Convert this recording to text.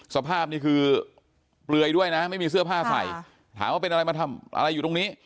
สภาพนี้คือเปลือยด้วยนะไม่มีเสื้อผ้าใส่ถามว่าเป็นอะไรมาทำอะไรอยู่ตรงนี้